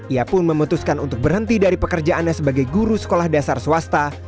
ia pun memutuskan untuk berhenti dari pekerjaannya sebagai guru sekolah dasar swasta